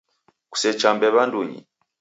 Kusechambe w'andunyi!